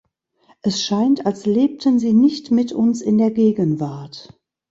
Es scheint, als lebten sie nicht mit uns in der Gegenwart.